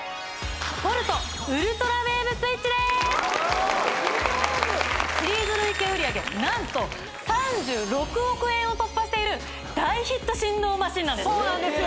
ポルトウルトラウェーブスイッチでーすシリーズ累計売上何と３６億円を突破している大ヒット振動マシンなんですそうなんですよ